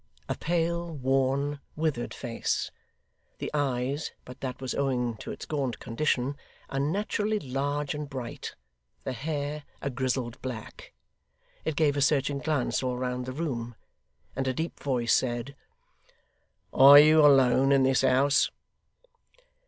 A pale, worn, withered face; the eyes but that was owing to its gaunt condition unnaturally large and bright; the hair, a grizzled black. It gave a searching glance all round the room, and a deep voice said: 'Are you alone in this house?